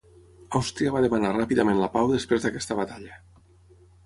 Àustria va demanar ràpidament la pau després d'aquesta batalla.